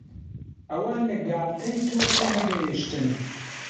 ئەوان لە گاڵتەی تۆ تێنەگەیشتن.